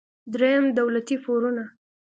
دریم: دولتي پورونه.